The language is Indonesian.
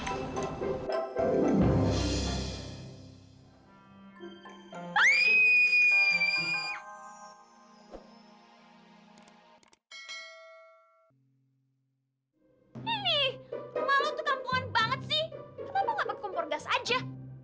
kenapa gak pake kompor gas aja